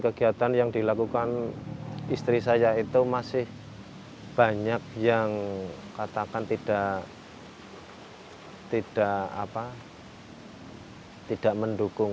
kegiatan yang dilakukan istri saya itu masih banyak yang katakan tidak tidak mendukung